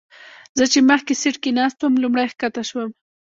زه چې مخکې سیټ کې ناست وم لومړی ښکته شوم.